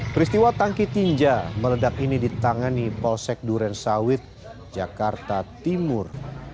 peristiwa tangki tinja meledak ini ditangani polsek duren sawit jakarta timur